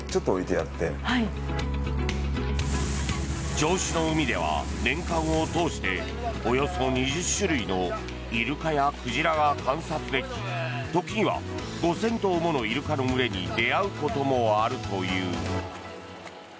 銚子の海では年間を通しておよそ２０種類のイルカや鯨が観察でき時には５０００頭ものイルカの群れに出会うこともあるという。